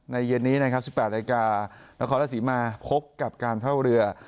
ในเย็นนี้ใน๑๘กว่านางคอร์ละศีมาพบกับการเท่าเรือ